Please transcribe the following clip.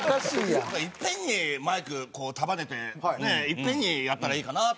いっぺんにマイクこう束ねてねいっぺんにやったらいいかなとは思う。